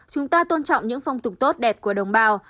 chúng ta tôn trọng những phong tục tốt đẹp của đồng bào